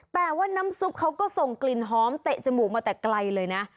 แต่ว่าน้ำซุปเขาก็ส่งกลิ่นหอมเตะจมูกมาแต่ไกลเลยนะ